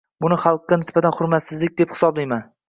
Buni xalqqa nisbatan hurmatsizlik deb hisoblayman.